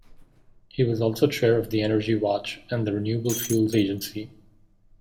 He was also chair of energywatch and the Renewable Fuels Agency.